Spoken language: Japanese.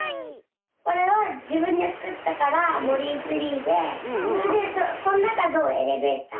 これはじぶんでつくったからもりいツリーでそれでそんなかのエレベーター！